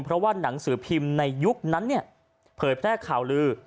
เพราะว่าหนังสือพิมพ์ในยุคนั้นเนี่ยเผยแพร่ข่าวลือ